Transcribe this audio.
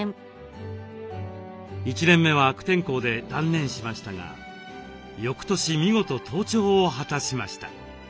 １年目は悪天候で断念しましたが翌年見事登頂を果たしました。